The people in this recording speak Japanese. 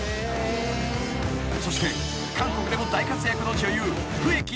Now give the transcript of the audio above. ［そして韓国でも大活躍の］